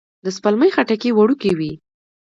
د سپلمۍ خټکی وړوکی وي